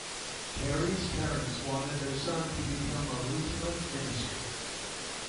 Carey's parents wanted their son to become a Lutheran minister.